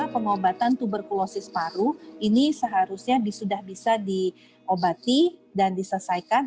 pengobatan tuberkulosis paru ini seharusnya sudah bisa diobati dan diselesaikan